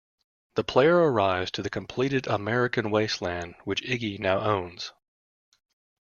The player arrives to the completed American Wasteland, which Iggy now owns.